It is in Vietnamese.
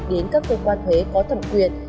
đến các cơ quan thuế có thẩm quyền